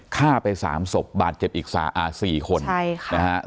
ฆ่าไป๓ศพบาทเจ็บอิกษาอ่ะ๔คน